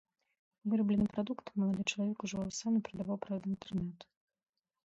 Выраблены прадукт малады чалавек ужываў сам і прадаваў праз інтэрнэт.